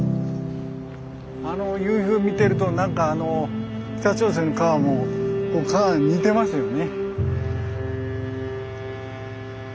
あの夕日を見てるとなんかあの北朝鮮の川も似てますよね。